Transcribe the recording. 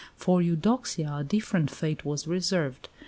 For Eudoxia a different fate was reserved.